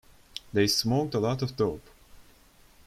They smoked a lot of dope.